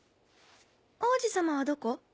王子様はどこ？